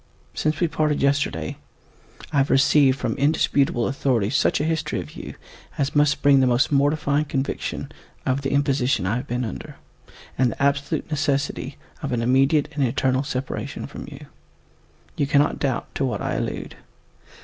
Since we parted yesterday, I have received from indisputable authority such a history of you as must bring the most mortifying conviction of the imposition I have been under, and the absolute necessity of an immediate and eternal separation from you. You cannot doubt to what I allude.